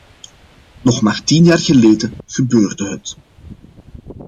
Nog maar tien jaar geleden gebeurde het.